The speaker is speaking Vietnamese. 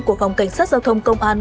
của phòng cảnh sát giao thông công an